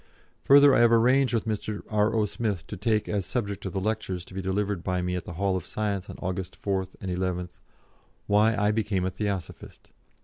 Further, I have arranged with Mr. R.O. Smith to take as subject of the lectures to be delivered by me at the Hall of Science on August 4th and 11th 'Why I became a Theosophist.'